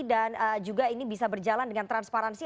dan juga ini bisa berjalan dengan transparansi